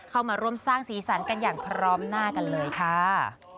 เข้ามาร่วมสร้างสีสันกันอย่างพร้อมหน้ากันเลยค่ะ